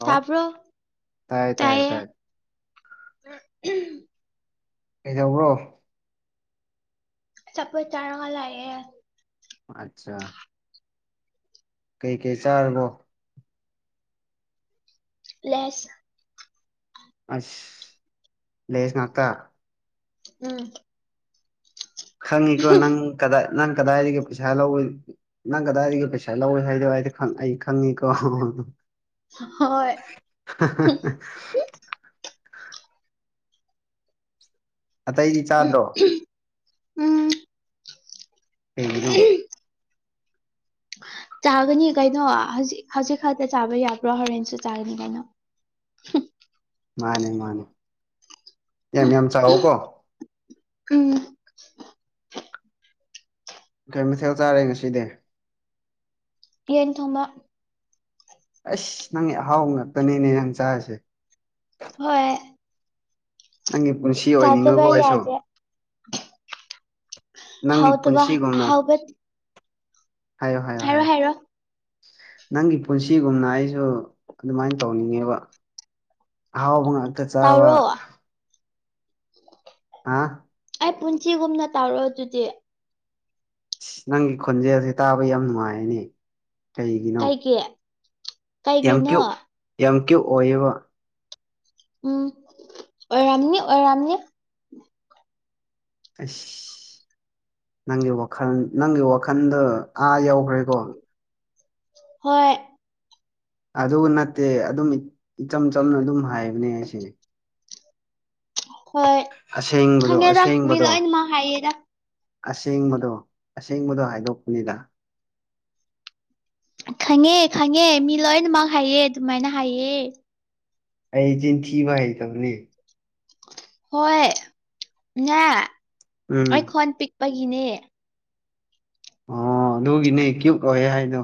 hello ꯊꯕ꯭ꯔꯣ ꯇꯥꯏ ꯇꯥꯏ ꯇꯥꯏꯌꯦ ꯇꯥꯏ [unintelligible] ꯀꯩꯗꯧꯕꯔꯣ ꯑꯆꯄꯣꯠ ꯆꯥꯔꯒ ꯂꯥꯏꯑꯦ ꯑꯆꯥ ꯀꯩ ꯀꯩ ꯆꯥꯔꯕꯣ ꯂꯦꯁ ꯑꯁ ꯂꯦꯁ ꯉꯛꯇꯥ ꯎꯝ ꯈꯪꯉꯤꯀꯣ ꯅꯪ ꯀꯗꯥꯏ ꯅꯪ ꯀꯗꯥꯏꯗꯒꯤ ꯄꯩꯁꯥ ꯂꯧꯔꯨꯏ ꯅꯪ ꯀꯗꯥꯏꯗꯒꯤ ꯄꯩꯁꯥ ꯂꯧꯋꯦ ꯍꯥꯏꯗꫭ ꯑꯩꯗꯤ ꯈꯪ ꯑꯩ ꯈꯪꯉꯤꯀꯣ ꯍꯣꯏ [unintelligible] ꯑꯇꯩꯗꯤ ꯆꯥꯗ꯭ꯔꯣ ꯎꯝ ꯀꯩꯒꯤꯅꯣ ꯆꯥꯒꯅꯤ ꯀꯩꯅꯣ ꯍꯧꯖꯤꯛ ꯍꯧꯖꯤꯛ ꯈꯛꯇ ꯆꯥꯕ ꯌꯥꯕ꯭ꯔꯣ ꯍꯣꯔꯦꯟꯁꯨ ꯆꯥꯒꯅꯤ ꯀꯩꯅꯣ [unintelligible] ꯃꯥꯅꯦ ꯃꯥꯅꯦ ꯌꯥꯝ ꯌꯥꯝ ꯆꯥꯎꯑꯣ ꯀꯣ ꯎꯝ ꯀꯩ ꯃꯊꯦꯜ ꯆꯥꯔꯦ ꯉꯁꯤꯗꯤ ꯌꯦꯟ ꯊꯣꯡꯕ ꯑꯁ ꯅꯪꯒꯤ ꯑꯍꯥꯎ ꯉꯥꯛꯇꯅꯦꯅꯦ ꯅꯪ ꯆꯥꯔꯤꯁꯦ ꯍꯣꯏ ꯅꯪꯒꯤ ꯄꯨꯟꯁꯤ ꯆꯥꯗꯕ ꯑꯣꯏꯅꯤꯡꯉꯀꯣ ꯑꯩꯁꯨ ꯌꯥꯗꯦ ꯅꯪꯒꯤ ꯍꯥꯎꯗꯕ ꯄꯨꯟꯁꯤꯒꯨꯝꯅ ꯍꯥꯎꯕ ꯍꯥꯏꯌꯣ ꯍꯥꯏꯌꯣ ꯍꯥꯏꯔꯣ ꯍꯥꯏꯌꯣ ꯍꯥꯏꯔꯣ ꯅꯪꯒꯤ ꯄꯨꯟꯁꯤꯒꯨꯝꯅ ꯑꯩꯁꯨ ꯑꯗꯨꯃꯥꯏꯅ ꯇꯧꯅꯤꯡꯉꯦꯕ ꯑꯍꯥꯎꯕ ꯉꯥꯛꯇ ꯆꯥꯕ ꯇꯥꯎꯔꯣ [unintelligible] ꯍꯥ ꯑꯩ ꯄꯨꯟꯁꯤꯒꯨꯝꯅ ꯇꯧꯔꯣꯑꯣ ꯑꯗꯨꯗꯤ ꯅꯪꯒꯤ ꯈꯣꯟꯖꯦꯜꯁꯦ ꯇꯥꯕ ꯌꯥꯝ ꯅꯨꯡꯉꯥꯏꯔꯅꯦ ꯀꯩꯒꯤꯅꯣ ꯀꯩꯒꯤ ꯌꯥꯝ ꯀꯩꯒꯤꯅꯣ ꯀ꯭ꯌꯨ ꯌꯥꯝ ꯀ꯭ꯌꯨ ꯑꯣꯏꯌꯦꯕ ꯎꯝ ꯑꯣꯏꯔꯝꯅꯤ ꯑꯣꯏꯔꯝꯅꯤ ꯑꯁ ꯅꯪꯒꯤ ꯋꯥꯈꯜ ꯅꯪꯒꯤ ꯋꯥꯈꯜꯗ ꯑꯥ ꯌꯧꯈ꯭ꯔꯦꯀꯣ ꯍꯣꯏ ꯑꯗꯨꯒ ꯅꯠꯇꯦ ꯑꯗꯨꯝ ꯏꯆꯝ ꯆꯝꯅ ꯑꯗꯨꯝ ꯍꯥꯏꯕꯅꯦ ꯑꯩꯁꯤ ꯍꯣꯏ ꯑꯁꯦꯡꯕꯗꯣ ꯈꯪꯉꯦꯗ ꯃꯤ ꯑꯁꯦꯡꯕꯗꯣ ꯂꯣꯏꯅꯃꯛ ꯍꯥꯏꯌꯦꯗ ꯑꯁꯦꯡꯕꯗꯣ ꯑꯁꯦꯡꯕꯗꯣ ꯍꯥꯏꯗꯣꯛꯄꯅꯤꯗ ꯈꯪꯉꯦ ꯈꯪꯉꯦ ꯃꯤ ꯂꯣꯏꯅꯃꯛ ꯍꯥꯏꯌꯦ ꯑꯗꯨꯃꯥꯏꯅ ꯍꯥꯏꯌꯦ ꯑꯩ ꯆꯤꯟꯊꯤꯕ ꯍꯩꯇꯕꯅꯦ ꯍꯣꯏ ꯅꯦ ꯎꯝ ꯑꯩꯈꯣꯟ ꯄꯤꯛꯄꯒꯤꯅꯦ ꯑꯣ ꯑꯗꯨꯒꯤꯅꯦ ꯀ꯭ꯌꯨꯠ ꯑꯣꯏ ꯍꯥꯏꯗꯣ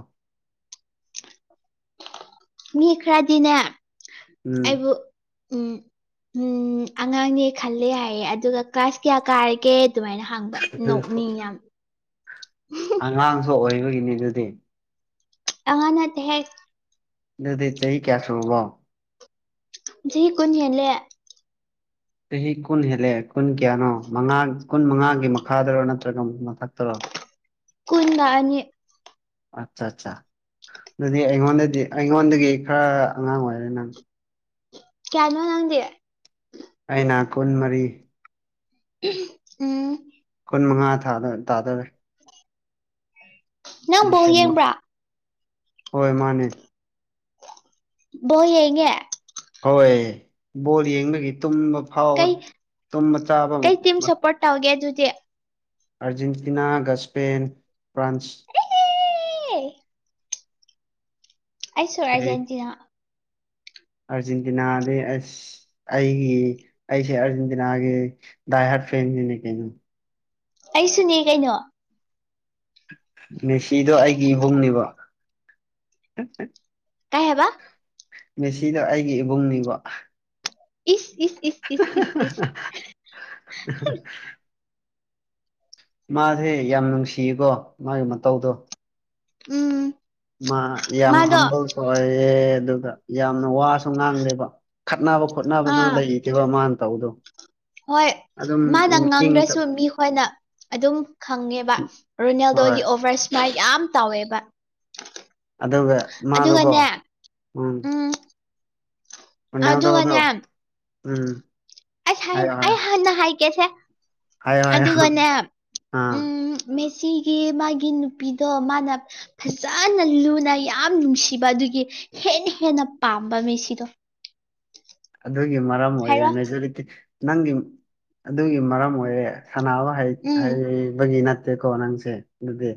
ꯃꯤ ꯈꯔꯗꯤꯅꯦ ꯎꯝ ꯑꯩꯕꯨ ꯎꯝ ꯎꯝ ꯑꯉꯥꯡꯅꯦ ꯈꯜꯂꯦ ꯍꯥꯏꯌꯦ ꯑꯗꯨꯒ ꯀ꯭ꯂꯥꯁ ꯀꯌꯥ ꯀꯥꯔꯒꯦ ꯑꯗꯨꯃꯥꯏꯅ ꯍꯪꯕ ꯅꯣꯛꯅꯤꯡ ꯌꯥꯝ ꯑꯉꯥꯡꯁꯨ ꯑꯣꯏꯕꯒꯤꯅꯤ ꯑꯗꯨꯗꯤ ꯑꯉꯥꯡ ꯅꯠꯇꯦ ꯍꯦ ꯑꯗꯨꯗꯤ ꯆꯍꯤ ꯀꯌꯥ ꯁꯨꯨꯕꯣ ꯆꯍꯤ ꯀꯨꯟ ꯍꯦꯜꯂꯦ ꯆꯍꯤ ꯀꯨꯟ ꯍꯦꯜꯂꯑꯦ ꯀꯨꯟ ꯀꯌꯥꯅꯣ ꯃꯉꯥ ꯀꯨꯟ ꯃꯉꯥꯒꯤ ꯃꯈꯥꯗꯔꯣ ꯅꯠꯇ꯭ꯔꯒ ꯃꯊꯛꯇꯔꯣ ꯀꯨꯟꯒ ꯑꯅꯤ ꯑꯠꯆꯥ ꯑꯠꯆꯥ ꯑꯗꯨꯗꯤ ꯑꯩꯉꯣꯟꯗꯗꯤ ꯑꯩꯉꯣꯟꯗꯒꯤ ꯈꯔ ꯑꯉꯥꯡ ꯑꯣꯏꯔꯦ ꯅꯪ ꯀꯌꯥꯅꯣ ꯅꯪꯗꯦ ꯑꯩꯅ ꯀꯨꯟꯃꯔꯤ ꯎꯝ ꯀꯨꯟ ꯃꯉꯥ ꯇꯥꯗꯔꯦ ꯅꯪ ꯕꯣꯜ ꯗꯤꯁꯦꯝꯕ ꯌꯦꯡꯕ꯭ꯔꯥ ꯍꯣꯏ ꯃꯥꯅꯦ ꯌꯦꯉꯦ ꯍꯣꯏ ꯕꯣꯜ ꯌꯦꯡꯕꯒꯤ ꯇꯨꯝꯕ ꯐꯥꯎꯕ ꯀꯩ ꯇꯨꯝꯕ ꯆꯥꯕ ꯧꯒꯦ ꯑꯗꯨꯗꯤ ꯑꯥꯔꯖꯦꯟꯇꯤꯅꯥ ꯒ ꯁꯄꯦꯟ ꯐ꯭ꯔꯥꯟꯁ ꯑ ꯑꯩꯁꯨ ꯑꯔꯖꯦꯟꯇꯤꯅꯥ ꯑꯥꯔꯖꯦꯟꯇꯤꯅꯥꯗ ꯑꯁ ꯑꯩꯒꯤ ꯑꯩꯁꯦ ꯑꯥꯔꯖꯦꯟꯇꯤꯅꯥꯒꯤ ꯗꯥꯏꯍꯠ ꯐ꯭ꯔꯦꯟꯁꯤꯅꯦ ꯀꯩꯅꯣ ꯑꯩꯁꯨꯅꯦ ꯀꯩꯅꯣ ꯃꯦꯁꯤꯗꯣ ꯑꯩꯒꯤ ꯏꯕꯨꯡꯅꯦꯕ ꯀꯩ ꯍꯥꯏꯕꯥ ꯃꯦꯁꯤꯗ ꯑꯩꯒꯤ ꯏꯕꯨꯡꯅꯤꯕꯣ ꯏꯁ ꯏꯁ ꯏꯁ ꯏꯁ ꯏꯁ ꯏꯁ [unintelligible] ꯃꯥꯁꯦ ꯌꯥꯝ ꯅꯨꯡꯁꯤꯌꯦꯀꯣ ꯃꯥꯒꯤ ꯃꯇꯧꯗꯣ ꯎꯝ ꯃꯥ ꯌꯥꯝ ꯃꯥꯗꯣ ꯍꯝꯕꯜꯁꯨ ꯑꯣꯏꯌꯦ ꯑꯗꯨꯒ ꯌꯥꯝꯅ ꯋꯥꯁ ꯁ ꯉꯥꯡꯗꯦꯕ ꯈꯠꯅꯕ ꯈꯣꯠꯅꯕꯁꯨ ꯑꯥ ꯂꯩꯇꯦꯕ ꯃꯥꯅ ꯇꯧꯗꯣ ꯍꯣꯏ ꯃꯥꯅ ꯉꯥꯡꯗ꯭ꯔꯁꯨ ꯃꯤꯈꯣꯏꯅ ꯑꯗꯨꯝ ꯈꯪꯉꯦꯕ ꯍꯣꯏ ꯔꯣꯅꯥꯜꯗꯣꯗꯤ ꯑꯣꯚꯔ ꯏꯁꯃꯥꯏꯜ ꯌꯥꯝ ꯇꯧꯋꯦꯕ ꯑꯗꯨꯒ ꯃꯥꯗꯣꯀꯣ ꯑꯗꯨꯒꯅꯦ ꯎꯝ ꯃꯟꯅꯉꯗꯕꯗꯣ ꯎꯝ ꯑꯁ ꯍꯥꯏꯌꯣ ꯑꯩ ꯍꯥꯏꯌꯣ ꯍꯥꯟꯅ ꯍꯥꯏꯒꯦꯁꯦ ꯍꯥꯏꯌꯣ ꯍꯥꯏꯌꯣ ꯑꯗꯨꯒꯅꯦ ꯑꯥ ꯎꯝ ꯃꯦꯁꯤꯒꯤ ꯃꯥꯒꯤ ꯅꯨꯄꯤꯗꯣ ꯃꯥꯅ ꯐꯖꯅ ꯂꯨꯅ ꯌꯥꯝ ꯅꯨꯡꯁꯤꯕ ꯑꯗꯨꯒꯤ ꯍꯦꯟꯅ ꯍꯦꯟꯅ ꯄꯥꯝꯕ ꯃꯤꯁꯤꯗꯣ ꯑꯗꯨꯒꯤ ꯃꯔꯝ ꯑꯣꯏꯔꯦ ꯍꯥꯏꯔꯣ ꯃꯦꯖꯣꯔꯤꯇꯤ ꯅꯪꯒꯤ ꯑꯗꯨꯒꯤ ꯃꯔꯝ ꯑꯣꯏꯔꯦ ꯁꯅꯕ ꯎꯝ ꯍꯥꯏꯕꯒꯤ ꯅꯠꯇꯦꯀꯣ ꯅꯪꯁꯦ ꯑꯗꯨꯗꯤ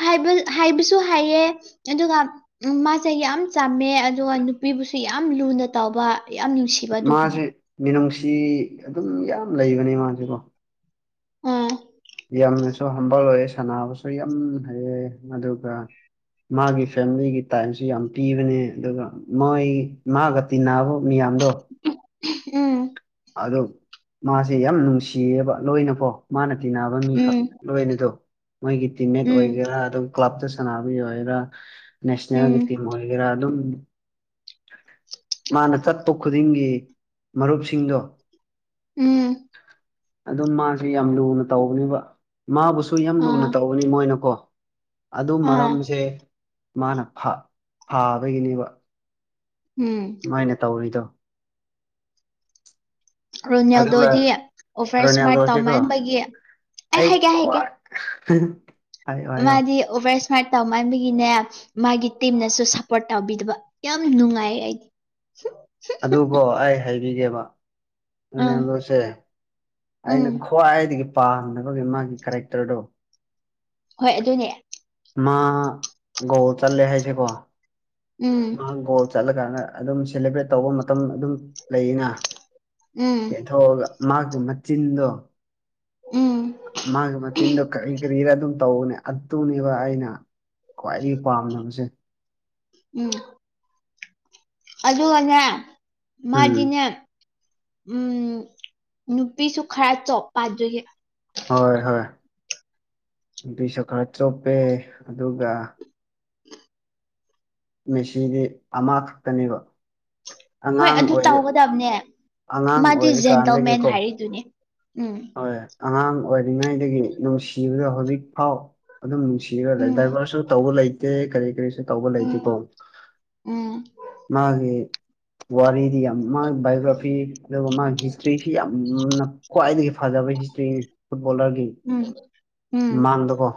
ꯍꯥꯏꯕ ꯍꯥꯏꯕꯁꯨ ꯍꯥꯏꯌꯦꯦ ꯑꯗꯨꯒ ꯎꯝ ꯃꯥꯁꯦ ꯌꯥꯝ ꯆꯥꯝꯃꯦ ꯑꯗꯨꯒ ꯅꯨꯄꯤꯕꯨꯁꯨ ꯌꯥꯝ ꯂꯨꯅ ꯇꯧꯕ ꯌꯥꯝ ꯅꯨꯡꯁꯤ ꯃꯥꯁꯦ ꯃꯤꯅꯨꯡꯁꯤ ꯑꯗꯨꯝ ꯌꯥꯝ ꯂꯩꯕꯅꯦ ꯃꯥꯁꯦꯀꯣ ꯎꯝ ꯌꯥꯝꯅꯁꯨ ꯍꯝꯕ ꯑꯣꯏꯌꯦꯦ ꯁꯥꯟꯁꯨ ꯁ ꯌꯥꯝ ꯍꯩꯑ ꯑꯗꯨꯒ ꯃꯥꯒꯤ ꯐꯦꯃꯤꯂꯤꯒꯤ ꯇꯥꯏꯝꯁꯨ ꯌꯥꯝ ꯄꯤꯕꯅꯦ ꯑꯗꯨꯒ ꯃꯣꯏ ꯃꯥꯒ ꯇꯤꯟꯅꯕ ꯃꯤꯌꯥꯝꯗꯣ ꯎꯝ ꯑꯗꯣ ꯃꯥꯁꯦ ꯌꯥꯝ ꯅꯨꯡꯁꯤꯌꯦꯕ ꯂꯣꯏꯅꯀꯣ ꯃꯥꯅ ꯇꯤꯟꯅꯕ ꯃꯤꯈꯛ ꯎꯝ ꯂꯣꯏꯅꯗꯣ ꯃꯣꯏꯒꯤ ꯇꯤꯝꯃꯦꯠ ꯎꯝ ꯑꯣꯏꯒꯦꯔꯥ ꯑꯗꯨꯝ ꯀ꯭ꯂꯕꯇ ꯁꯥꯟꯅꯕ ꯃꯤ ꯑꯣꯏꯒꯦꯔꯥ ꯅꯦꯁꯅꯦꯜꯒꯤ ꯎꯝ ꯇꯤꯝ ꯑꯣꯏꯒꯦꯔꯥ ꯑꯗꯨꯝ ꯃꯥꯅ ꯆꯠꯄ ꯈꯨꯗꯤꯡꯒꯤ ꯃꯔꯨꯞꯁꯤꯡꯗꯣ ꯎꯝ ꯑꯗꯨꯝ ꯃꯥꯁꯤ ꯌꯥꯝ ꯂꯨꯅ ꯇꯧꯕꯅꯦꯕ ꯃꯥꯕꯨꯁꯨ ꯌꯥꯝ ꯂꯨꯅ ꯑꯥ ꯇꯧꯕꯅꯤ ꯃꯣꯏꯅꯀꯣ ꯑꯗꯨ ꯑꯥ ꯃꯔꯝꯁꯦ ꯃꯥꯅ ꯐꯥ ꯐꯥꯕꯒꯤꯅꯦꯕ ꯎꯝ ꯇꯧꯔꯤꯗꯣ ꯑꯗꯨꯒ ꯔꯣꯅꯦꯜꯗꯣꯗꯤ ꯑꯣꯚꯔ ꯏꯁꯃꯥꯔꯠ ꯔꯣꯅꯥꯜꯗꯣꯁꯤꯀꯣ ꯇꯧꯃꯟꯕꯒꯤ ꯑꯩ ꯍꯥꯏꯒꯦ ꯍꯥꯏꯒꯦ ꯈ꯭ꯋꯥꯏ [unintelligible] ꯍꯥꯏꯌꯣ ꯃꯥꯗꯤ ꯑꯣꯚꯔ ꯏꯁꯃꯥꯏꯠ ꯇꯧꯃꯥꯟꯕꯒꯤꯅꯦ ꯃꯥꯒꯤ ꯇꯤꯝꯅꯁꯨ ꯁꯄꯣꯔꯠ ꯇꯧꯕꯤꯗꯕ ꯌꯥꯝ ꯅꯨꯡꯉꯥꯏ ꯑꯩꯗꯤ ꯑꯗꯨꯣ ꯑꯩ ꯍꯥꯏꯕꯤꯒꯦꯕ ꯑꯥ ꯅꯅꯦꯝꯗꯁꯦ ꯑꯩꯅ ꯎꯝ ꯈ꯭ꯋꯥꯏꯗꯒꯤ ꯄꯥꯝꯅꯕꯒꯤ ꯃꯥꯒꯤ ꯀꯦꯔꯦꯛꯇꯔꯗꯣ ꯍꯣꯏ ꯑꯗꯨꯅꯦ ꯃꯥ ꯒꯣꯜ ꯆꯠꯂꯦ ꯍꯥꯏꯁꯦꯀꯣ ꯎꯝ ꯃꯥ ꯒꯣꯜ ꯆꯠꯂꯀꯥꯟꯗ ꯑꯗꯨꯝ ꯁꯦꯂꯦꯕ꯭ꯔꯦꯠ ꯇꯧꯕ ꯃꯇꯝ ꯑꯗꯨꯝ ꯂꯩꯅ ꯎꯝ ꯇꯦꯟꯊꯣꯛꯑꯒ ꯃꯥꯒꯤ ꯃꯆꯤꯟꯗꯨꯣ ꯎꯝ ꯃꯥꯒꯤ ꯃꯆꯤꯟꯗꯨꯣ ꯀ ꯀꯔꯤ ꯏꯔ ꯑꯗꯨ ꯇꯧꯅꯦ ꯑꯗꯨꯅꯦꯕ ꯑꯩꯅ ꯈ꯭ꯋꯥꯏꯗꯒꯤ ꯄꯥꯝꯅꯕꯁꯦ ꯎꯝ ꯑꯗꯨꯒꯅꯦ ꯎꯝ ꯃꯥꯗꯤꯅꯦ ꯎꯝ ꯅꯨꯄꯤꯁꯨ ꯈꯔ ꯆꯣꯞꯄꯥꯗꯨꯒꯤ ꯍꯣꯏ ꯍꯣꯏ ꯑꯗꯨꯏꯁꯨ ꯈꯔ ꯆꯣꯞꯄꯦ ꯑꯗꯨꯒ ꯃꯦꯁꯤꯗꯤ ꯑꯃꯈꯛꯇꯅꯦꯕ ꯍꯣꯏ ꯑꯉꯥꯡ ꯑꯗꯨ ꯑꯣꯏꯔꯤ ꯇꯧꯒꯗꯕꯅꯦ ꯑꯉꯥꯡ ꯃꯥꯗꯤ ꯖꯦꯟꯇꯜꯃꯦꯟ ꯑꯣꯏꯔꯤꯀꯥꯟꯗꯒꯤꯀꯣ ꯍꯥꯏꯔꯤꯗꯨꯅꯤ ꯎꯝ ꯍꯣꯏ ꯑꯉꯥꯡ ꯑꯣꯏꯔꯤꯉꯩꯗꯒꯤ ꯅꯨꯡꯁꯤꯕꯗ ꯍꯧꯖꯤꯛ ꯐꯥꯎ ꯑꯗꯨꯝ ꯅꯨꯡꯁꯤꯔ ꯂꯩ ꯎꯝ ꯗꯥꯏꯚꯔꯁꯨ ꯇꯧꯕ ꯂꯩꯇꯦ ꯀꯔꯤ ꯀꯔꯤꯁꯨ ꯇꯧꯕ ꯎꯝ ꯂꯩꯇꯦꯀꯣ ꯎꯝ ꯃꯥꯒꯤ ꯋꯥꯔꯤꯗꯤ ꯌꯥꯝ ꯃꯥꯟꯕꯥꯏꯑꯣꯒ꯭ꯔꯥꯐꯤ ꯑꯗꯨꯒ ꯃꯥ ꯍꯤꯁꯇ꯭ꯔꯤꯁꯤ ꯌꯥꯝꯅ ꯈ꯭ꯋꯥꯏꯗꯒꯤ ꯐꯖꯕ ꯍꯤꯁꯇ꯭ꯔꯤꯅꯤ ꯐꯨꯠꯕꯣꯂꯔꯒꯤ ꯎꯝ ꯎꯝ ꯃꯃꯥꯡꯗꯀꯣ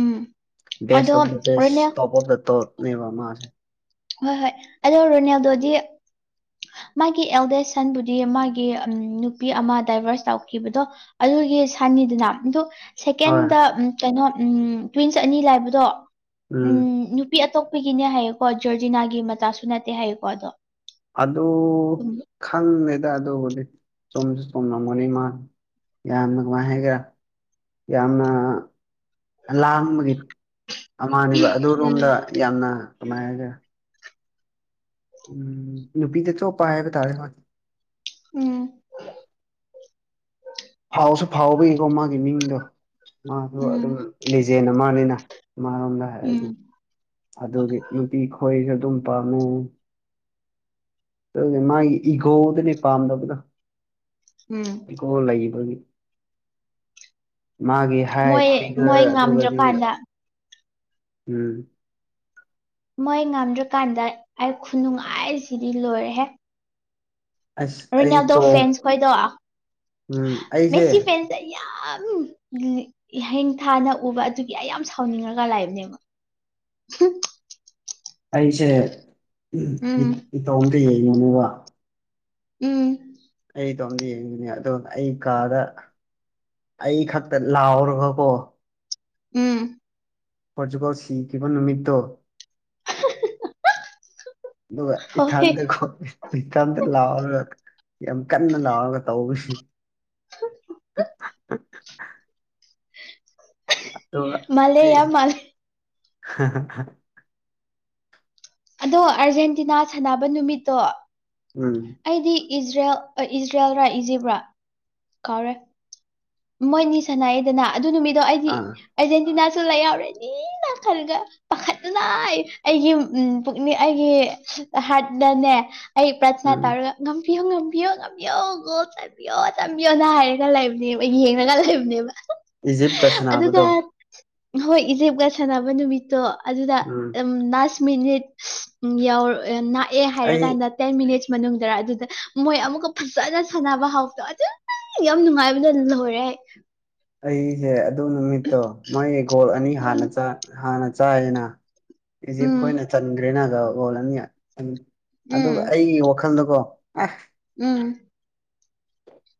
ꯎꯝ ꯕꯦꯁ ꯑꯗꯣ ꯑꯣꯐ ꯕꯦꯁ ꯔꯣꯅꯦ ꯇꯣꯄ ꯑꯣꯐ ꯗ ꯇꯣꯄ ꯅꯦ ꯃꯁꯦ ꯍꯣꯏ ꯍꯣꯏ ꯑꯗꯣ ꯔꯣꯅꯦꯜꯗꯣꯗꯤ ꯃꯥꯒꯤ ꯑꯦꯜꯗꯦꯁ ꯁꯟꯕꯨꯗꯤ ꯃꯥꯒꯤ ꯅꯨꯄꯤ ꯑꯃ ꯗꯥꯏꯚꯔꯁ ꯇꯧꯈꯤꯕꯗꯣ ꯑꯗꯨꯒꯤ ꯁꯅꯤꯗꯨꯅ ꯑꯗꯨ ꯍꯣꯏ ꯁꯦꯀꯦꯟꯗ ꯀꯩꯅꯣ ꯎꯝ ꯇ꯭ꯋꯤꯟꯁ ꯑꯅꯤ ꯂꯥꯏꯕꯗꯣ ꯎꯝ ꯅꯨꯄꯤ ꯑꯇꯣꯞꯄꯒꯤꯅꯦ ꯍꯥꯏꯌꯦꯀꯣ ꯖꯣꯔꯖꯤꯅꯥꯒꯤ ꯃꯆꯥꯁꯨ ꯅꯠꯇꯦ ꯍꯥꯏꯌꯦꯀꯣ ꯑꯗꯣ ꯑꯗꯨ ꯎꯝ ꯈꯪꯗꯦꯗ ꯑꯗꯨꯕꯨꯗꯤ ꯆꯨꯝꯁꯨ ꯆꯨꯝꯂꯝꯒꯅꯤ ꯃꯥꯜ ꯌꯥꯝꯅ ꯀꯃꯥꯏ ꯍꯥꯏꯒꯦꯔꯥ ꯌꯥꯝꯅ ꯂꯥꯡꯕꯒꯤ ꯑꯃꯅꯦꯕ ꯑꯗꯨꯔꯣꯝꯗ ꯌꯥꯝꯅ ꯀꯃꯥꯏ ꯍꯥꯏꯒꯦꯔꯥ ꯎꯝ ꯅꯨꯄꯤꯗ ꯆꯣꯞꯄ ꯍꯥꯏꯕ ꯇꯥꯔꯦ ꯎꯝ ꯐꯥꯎꯁꯨ ꯐꯥꯎꯕꯒꯤꯀꯣ ꯃꯥꯒꯤ ꯃꯤꯡꯗꯣ ꯃꯥꯗꯣ ꯑꯗꯨꯝ ꯎꯝ ꯂꯤꯖꯦꯟ ꯑꯃꯅꯤꯅ ꯃꯥꯔꯣꯝꯗ ꯍꯥꯏꯔꯗꯤ ꯎꯝ ꯑꯗꯨꯒꯤ ꯅꯨꯄꯤ ꯈꯣꯏ ꯑꯗꯨꯝ ꯄꯥꯝꯃꯦ ꯑꯗꯨ ꯃꯥꯒꯤ ꯏꯒꯣꯗꯨꯅꯦ ꯄꯥꯝꯗꯕꯗꯣ ꯎꯝ ꯀꯣ ꯂꯩꯌꯦꯕꯒꯤ ꯃꯥꯒꯤ ꯍꯥꯏꯠ ꯃꯣꯏ ꯐꯤꯒꯔ ꯃꯣꯏ ꯑꯗꯨꯒꯗꯤ ꯉꯝꯗ꯭ꯔꯀꯥꯟꯗ ꯎꯝ ꯃꯣꯏ ꯉꯝꯗ꯭ꯔꯀꯥꯟꯗ ꯑꯩ ꯈꯨꯅꯨꯡꯉꯥꯏꯁꯤꯗꯤ ꯂꯣꯏꯔꯦꯍꯦ ꯑꯁ ꯑꯩ ꯔꯤꯅꯥꯜꯗꯣ ꯆꯣꯡ ꯐꯦꯟꯁ ꯈꯣꯏꯗꯣ ꯎꯝ ꯑꯩꯁꯦ ꯃꯦꯁꯤ ꯐꯦꯟꯁ ꯌꯥꯝ ꯍꯤꯡ ꯊꯥꯅ ꯎꯕ ꯑꯗꯨꯒꯤ ꯑꯩ ꯌꯥꯝ ꯁꯥꯎꯅꯤꯡꯉꯒ ꯂꯥꯛꯏꯕꯅꯦꯕ ꯑꯩꯁꯦ ꯎꯝ ꯏꯇꯣꯝꯗ ꯌꯦꯡꯉꯨꯅꯦꯕ ꯎꯝ ꯑꯩꯗꯣ ꯑꯝꯗꯤ ꯌꯦꯡꯉꯅꯦ ꯑꯗꯣ ꯑꯩ ꯀꯥꯗ ꯑꯩ ꯈꯛꯇ ꯂꯥꯎꯔꯒꯀꯣ ꯎꯝ ꯄꯣꯔꯇꯨꯒꯜꯁꯤꯈꯤꯕ ꯅꯨꯃꯤꯠꯇꯣ ꯑꯗꯨꯒ ꯏ ꯍꯣꯏ ꯊꯥꯟꯗ ꯈꯣ ꯀꯩꯀꯟꯇ ꯂꯥꯎꯔꯒ ꯌꯥꯝ ꯀꯟꯅ ꯂꯥꯎꯔꯒ ꯇꯧꯕꯁꯤ ꯛ [unintelligible] ꯑꯗꯣ ꯃꯥꯜꯂꯦ ꯑꯩ ꯌꯥꯝ ꯃꯥꯜꯂꯦ ꯑꯗꯣ ꯑꯥꯔꯖꯦꯟꯇꯤꯅꯥ ꯁꯥꯟꯅꯕ ꯅꯨꯃꯤꯠꯇꯣ ꯎꯝ ꯑꯩꯗꯤ ꯏꯖꯔꯦꯜ ꯏꯖꯔꯦꯜꯔꯥ ꯏꯖꯤꯕ꯭ꯔꯥ ꯀꯥꯎꯔꯦ ꯃꯣꯏꯅꯤ ꯁꯥꯟꯅꯥꯏꯑꯗꯅ ꯑꯗꯨ ꯅꯨꯃꯤꯠꯗꯣ ꯑꯩꯗꯤ ꯑꯥ ꯑꯔꯖꯦꯟꯇꯤꯅꯥꯁꯨ ꯂꯩꯍꯎꯔꯅꯤꯅ ꯈꯜꯂꯒ ꯄꯥꯈꯠꯅ ꯑꯩꯒꯤ ꯄꯨꯛꯅꯤꯡ ꯑꯩꯒꯤ ꯍꯥꯔꯠꯗꯅꯦ ꯑꯩ꯭ꯔꯖꯅ ꯎꯝ ꯇꯥꯔ ꯉꯝꯕꯤꯌꯣ ꯉꯝꯕꯤꯌꯣ ꯉꯝꯕꯤꯌꯣ ꯒꯣꯜ ꯆꯥꯕꯤꯌꯣ ꯆꯟꯕꯤꯌꯣꯅ ꯍꯥꯏꯔꯒ ꯂꯩꯕꯅꯦꯕ ꯃ ꯌꯦꯡꯅꯒ ꯂꯩꯕꯅꯦꯕ ꯏꯖꯤꯞꯀ ꯑꯗꯨꯗ ꯁꯥꯟꯅꯕꯗꯣ ꯍꯣꯏ ꯏꯖꯤꯞꯀ ꯁꯥꯟꯅꯕ ꯅꯨꯃꯤꯠꯇꯣ ꯑꯗꯨꯗ ꯎꯝ ꯃꯤꯅꯤꯠ ꯌꯥꯎꯔ ꯥꯛꯑꯦ ꯑꯩ ꯍꯥꯏꯔꯀꯥꯟꯗ ꯇꯦꯟ ꯃꯤꯅꯤꯠꯁ ꯃꯅꯨꯡꯗ ꯑꯗꯨꯗ ꯃꯣꯏ ꯑꯃꯨꯛꯀ ꯐꯖꯅ ꯁꯥꯟꯅꯕ ꯍꯥꯎꯗꯣ ꯑꯗꯨ ꯌꯥꯝ ꯅꯨꯡꯉꯥꯏꯕ ꯍꯔꯦ ꯑꯩꯁꯦ ꯑꯗꯨ ꯅꯨꯃꯤꯠꯇꯣ ꯃꯣꯏ ꯒꯣꯜ ꯎꯝ ꯑꯅꯤꯥꯟꯅ ꯍꯥꯟꯅ ꯆꯥꯏꯌꯦꯅ ꯎꯝ ꯏꯖꯤꯞꯈꯣꯏ ꯑꯣꯏꯅ ꯆꯟꯈ꯭ꯔꯦꯅ ꯂꯣꯜꯅꯤ ꯎꯝ ꯑꯗꯨꯒ ꯑꯩꯒꯤ ꯋꯥꯈꯜꯗꯀꯣ ꯑꯐ ꯎꯝ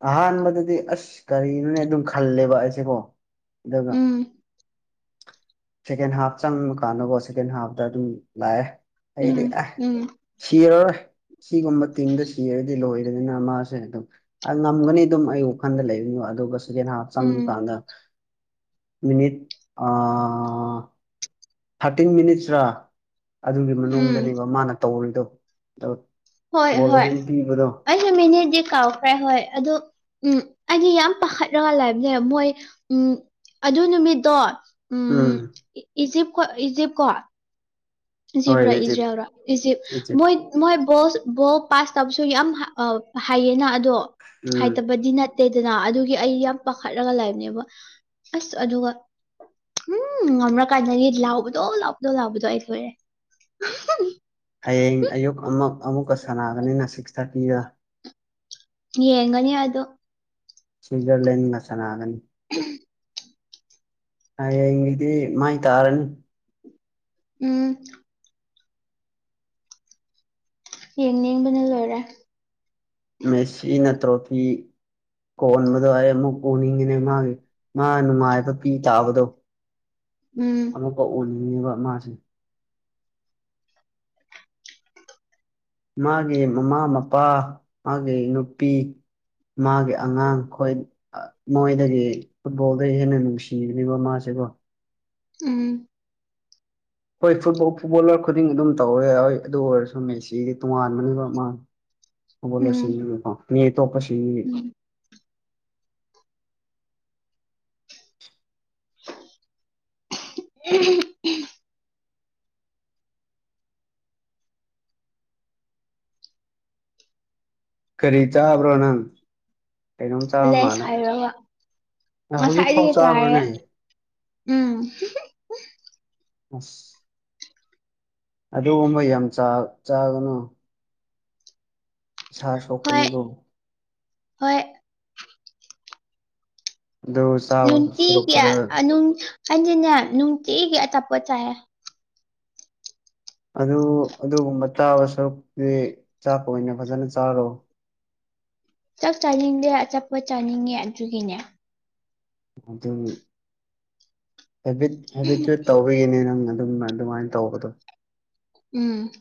ꯑꯍꯥꯟꯕꯗꯗꯤ ꯑꯁ ꯀꯔꯤꯅꯣꯅꯦ ꯑꯗꯨꯝ ꯈꯜꯂꯦꯕ ꯑꯩꯁꯦꯀꯣ ꯑꯗꯨꯒ ꯎꯝ ꯁꯦꯀꯦꯟ ꯍꯥꯞ ꯆꯪꯕ ꯀꯥꯟꯗꯀꯣ ꯁꯦꯀꯦꯟ ꯍꯥꯞꯇ ꯑꯗꯨꯝ ꯂꯥꯛꯑꯦ ꯑꯩꯗꯤ ꯎꯝ ꯑꯦ ꯎꯝ ꯁꯤꯔꯔꯣꯏ ꯁꯤꯒꯨꯝꯕ ꯇꯤꯝꯗ ꯁꯤꯔꯗꯤ ꯂꯣꯏꯔꯅꯤꯅ ꯃꯥꯁꯦ ꯑꯗꯨꯝ ꯉꯝꯒꯅꯤ ꯑꯗꯨꯝ ꯑꯩ ꯋꯥꯈꯜꯗ ꯂꯩꯔꯤꯅꯣ ꯑꯗꯨꯒ ꯎꯝ ꯍꯥꯗ ꯃꯤꯅꯤꯠ ꯑ ꯊꯥꯔꯇꯤꯟ ꯃꯤꯅꯤꯁ꯭ꯔꯥ ꯑꯗꯨꯒꯤ ꯎꯝ ꯃꯅꯨꯡꯗꯅꯦꯕ ꯃꯥꯅ ꯇꯧꯔꯤꯗꯣ ꯑ ꯍꯣꯏ ꯍꯣꯏ ꯑꯩꯁꯨ ꯃꯤꯅꯤꯠꯗꯤ ꯀꯥꯎꯈ꯭ꯔꯦ ꯍꯣꯏ ꯑꯗꯨ ꯎꯝ ꯑꯩꯗꯤ ꯌꯥꯝ ꯄꯥꯈꯠꯂꯒ ꯂꯩꯕꯅꯦ ꯃꯣꯏ ꯎꯝ ꯑꯗꯨ ꯅꯨꯃꯤꯠꯇꯣ ꯎꯝ ꯏꯖꯤꯞ ꯀ ꯏꯖꯤꯞꯇ ꯀꯣ ꯏꯖꯤꯞ ꯔꯣ ꯏꯖꯔꯥꯜ ꯔꯣ ꯏꯖꯤꯞ ꯃꯣꯏ ꯃꯣꯏ ꯕꯣꯜ ꯕꯣꯜ ꯄꯥꯁ ꯇꯧꯕꯁꯨ ꯌꯥꯝ ꯍꯥꯏꯌꯦꯅ ꯑꯗꯣ ꯎꯝ ꯍꯥꯏꯇꯕꯗꯤ ꯅꯠꯇꯦ ꯑꯇꯩꯗꯅ ꯑꯗꯨꯒꯤ ꯑꯩ ꯌꯥꯝ ꯄꯥꯈꯠꯂꯒ ꯂꯩꯕꯅꯦꯕ ꯑꯁ ꯑꯗꯨꯒ ꯎꯝ ꯉꯝ꯭ꯔꯀꯥꯟꯗꯗꯤ ꯂꯥꯎꯕꯗꯣ ꯂꯥꯎꯕꯗꯣ ꯂꯥꯎꯕꯗꯣ ꯑꯩ ꯂꯣꯏꯔꯦ ꯎ ꯍꯌꯦꯡ ꯑꯌꯨꯛ ꯑꯃꯨꯛ ꯑꯃꯨꯛꯀ ꯁꯥꯟꯅꯒꯅꯤꯅ ꯁꯤꯛꯁ ꯊꯥꯔꯇꯤꯒ ꯌꯦꯡꯒꯅꯤ ꯑꯗꯣ ꯁ꯭ꯤꯠꯖꯔꯂꯦꯟ ꯉ ꯆꯅꯅꯥꯒꯅꯤ [unintelligible] ꯍꯌꯦꯡꯒꯤꯗꯤ ꯃꯥꯏ ꯇꯥꯔꯅꯤ ꯎꯝ ꯌꯦꯡꯅꯤꯡꯕꯅ ꯂꯣꯏꯔꯦ ꯃꯦꯁꯤ ꯅꯠꯇ꯭ꯔꯣꯐꯤ ꯀꯣꯟꯕꯗꯣ ꯑꯩ ꯑꯃꯨꯛ ꯎꯅꯤꯡꯉꯤꯅꯦ ꯃꯥꯒꯤ ꯃꯥ ꯅꯨꯡꯉꯥꯏꯕ ꯄꯤ ꯇꯥꯕꯗꯣ ꯎꯝ ꯑꯃꯨꯛꯀ ꯑꯣꯟꯅꯤꯡꯉꯦꯕ ꯃꯥꯁꯦ ꯃꯥꯒꯤ ꯃꯃꯥ ꯃꯄꯥ ꯃꯥꯒꯤ ꯅꯨꯄꯤ ꯃꯥꯒꯤ ꯑꯉꯥꯡ ꯈꯣꯏ ꯃꯣꯏꯗꯒꯤ ꯐꯨꯠꯕꯣꯜꯗꯒꯤ ꯍꯦꯟꯅ ꯅꯨꯡꯁꯤꯒꯅꯤꯕ ꯃꯥꯁꯦꯀꯣ ꯎꯝ ꯍꯣꯏ ꯐꯨꯠ ꯐꯨꯠꯕꯣꯂꯔ ꯈꯨꯗꯤꯡ ꯑꯗꯨꯝ ꯇꯧꯔꯦ ꯍꯣꯏ ꯑꯗꯨ ꯑꯣꯏꯔꯁꯨ ꯃꯦꯁꯤꯒꯤ ꯇꯣꯉꯥꯟꯕꯅꯤ ꯑꯃ ꯐꯨꯠꯕꯣꯜꯂꯔꯁꯤꯪ ꯎꯝ ꯃꯤ ꯑꯥꯇꯣꯞꯄ ꯁꯤꯡ ꯎꯝ ꯎ [unintelligible] ꯀꯔꯤ ꯆꯥꯕ꯭ꯔꯣ ꯅꯪ ꯀꯩꯅꯣꯝ ꯆꯥꯕ ꯂꯩꯦꯁ ꯃꯥꯜꯂꯦ ꯍꯥꯏꯔꯕ ꯍꯧꯖꯤꯛ ꯐꯥꯎ ꯉꯁꯥꯏꯗꯤꯗꯒꯤ ꯆꯥꯔꯦ ꯆꯥꯕ꯭ꯔꯅꯦ ꯎꯝ ꯑꯁ ꯑꯗꯨ ꯑꯃ ꯌꯥꯝ ꯆꯥꯛ ꯆꯥꯒꯅꯨ ꯏꯁꯥ ꯍꯣꯏ ꯁꯣꯛꯀꯅꯤꯒꯣ ꯍꯣꯏ ꯗꯣꯁ ꯅꯨꯡꯇꯤꯒꯤ ꯑꯥꯅꯨꯡ ꯑꯅꯤꯅꯦ ꯅꯨꯡꯇꯤꯒꯤ ꯑꯆꯥꯄꯣ ꯆꯥꯏ ꯑꯗꯨ ꯑꯗꯨꯒꯨꯝꯕ ꯆꯥꯕ ꯁꯔꯨꯛꯇꯤ ꯆꯥꯛꯀꯥ ꯑꯣꯏꯅ ꯐꯖꯅ ꯆꯥꯔꯣ ꯆꯥꯛ ꯆꯥꯅꯤꯡꯗꯦ ꯆꯠꯄ ꯆꯥꯅꯤꯡꯉꯦ ꯑꯗꯨꯒꯤꯅꯦ ꯑꯗꯨ ꯍꯦꯕꯤꯠ ꯍꯦꯕꯤꯠꯇꯨ ꯇꯧ ꯀꯨꯏꯅꯦ ꯅꯪ ꯑꯗꯨꯝꯅ ꯑꯗꯨꯃꯥꯏꯅ ꯇꯧꯕꯗꯣ ꯎꯝ